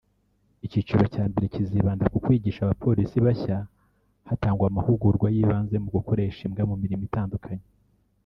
Icyiciro cya mbere kizibanda ku kwigisha abapolisi bashya hatangwa amahugurwa y’ibanze ku gukoresha imbwa mu mirimo itandukanye